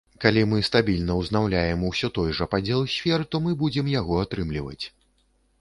Калі мы стабільна ўзнаўляем усё той жа падзел сфер, то мы будзем яго атрымліваць.